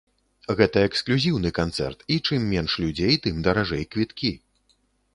Гэта эксклюзіўны канцэрт і чым менш людзей, тым даражэй квіткі.